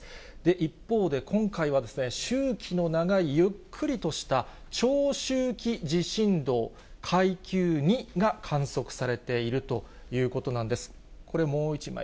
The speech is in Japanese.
一方で、今回は周期の長いゆっくりとした、長周期地震動、階級２が観測されているということなんです。